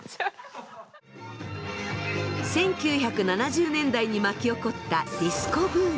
１９７０年代に巻き起こったディスコブーム。